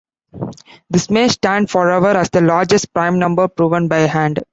This may stand forever as the largest prime number proven by hand.